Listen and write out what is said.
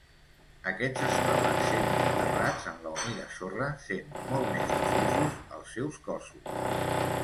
Aquests es troben semienterrats en la humida sorra, sent molt més difusos els seus cossos.